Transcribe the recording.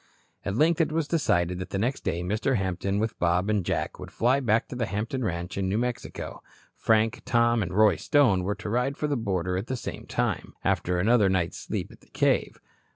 At length it was decided that the next day Mr. Hampton, with Bob and Jack, would fly back to the Hampton ranch in New Mexico. Frank, Tom and Roy Stone were to ride for the border at the same time, after another night's sleep at the cave.